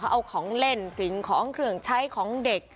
เอาของเล่นสิ่งของเครื่องใช้ของเด็ก